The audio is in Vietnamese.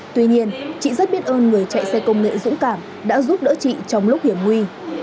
tuy nhiên chị rất biết ơn người chạy xe công nghệ dũng cảm đã giúp đỡ chị trong lúc hiểm nguy